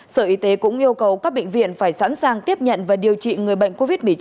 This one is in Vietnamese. sở y tế cũng yêu cầu các bệnh viện phải sẵn sàng tiếp nhận và điều trị người bệnh covid một mươi chín